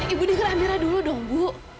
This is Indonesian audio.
ibu denger amera dulu dong bu